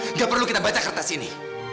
tidak perlu kita baca kertas ini